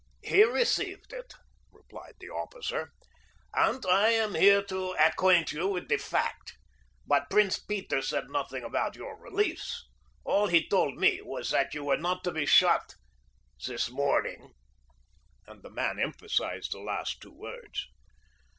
"He received it," replied the officer, "and I am here to acquaint you with the fact, but Prince Peter said nothing about your release. All he told me was that you were not to be shot this morning," and the man emphasized the last two words.